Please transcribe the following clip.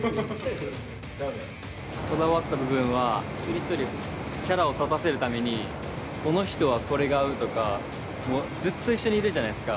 こだわった部分は一人一人キャラを立たせるためにこの人はこれが合うとかもうずっと一緒にいるじゃないですか。